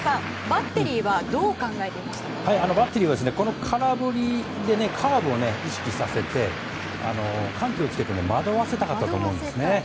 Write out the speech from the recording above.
バッテリーは空振りでカーブを意識させて緩急をつけて惑わせたかったんですね。